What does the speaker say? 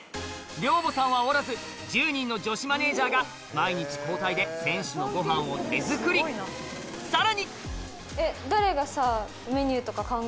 寮母さんはおらず１０人の女子マネジャーが毎日交代で選手のごはんを手作りさらに！